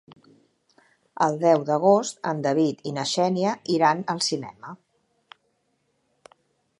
El deu d'agost en David i na Xènia iran al cinema.